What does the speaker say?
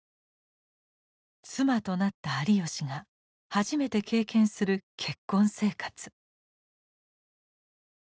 「妻」となった有吉が初めて経験する結婚生活。